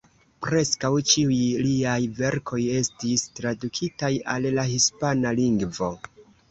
Preskaŭ ĉiuj liaj verkoj estis tradukitaj al la hispana lingvo.